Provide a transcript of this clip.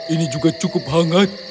ini juga cukup hangat